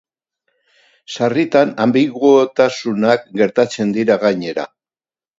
Sarritan, anbiguotasunak gertatzen dira, gainera.